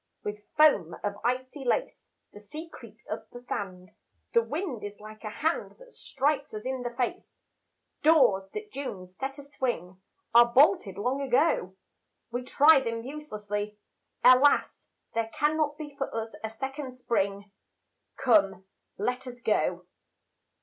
With foam of icy lace The sea creeps up the sand, The wind is like a hand That strikes us in the face. Doors that June set a swing Are bolted long ago; We try them uselessly Alas, there cannot be For us a second spring; Come, let us go.